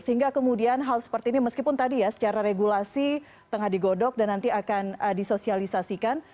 sehingga kemudian hal seperti ini meskipun tadi ya secara regulasi tengah digodok dan nanti akan disosialisasikan